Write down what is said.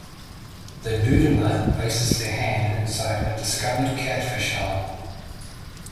The noodler places their hand inside a discovered catfish hole.